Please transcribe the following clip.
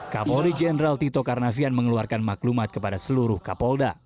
kapolri jenderal tito karnavian mengeluarkan maklumat kepada seluruh kapolda